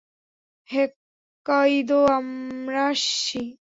Hokkaido, আমরা আসছি!